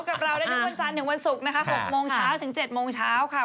กับเราได้ทุกวันจันทร์ถึงวันศุกร์นะคะ๖โมงเช้าถึง๗โมงเช้าค่ะ